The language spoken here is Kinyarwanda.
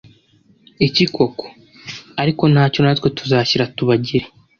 iki koko? ariko ntacyo natwe tuzashyira tubagire”